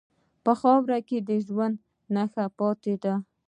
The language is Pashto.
په خاوره کې د ژوند نښې پاتې دي.